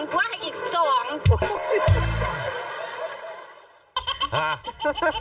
คุณขอให้อีก๒